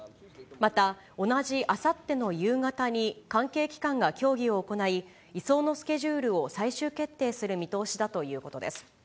また、同じあさっての夕方に関係機関が協議を行い、移送のスケジュールを最終決定する見通しだということです。